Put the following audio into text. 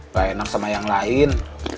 gak enak sama yang lain